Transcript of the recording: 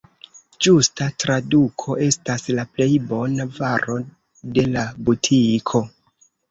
Ĝusta traduko estas «la plej bona varo de la butiko».